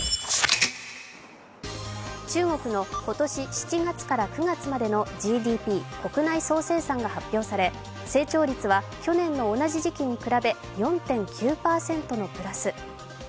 中国の今年７月から９月までのＧＤＰ＝国内総生産が発表され成長率は去年の同じ時期に比べ４．９％のプラス。